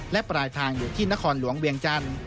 และปลายทางอยู่ที่นครหลวงเวียงจันทร์